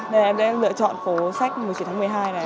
nên em đã lựa chọn cổ sách một mươi chín tháng một mươi hai này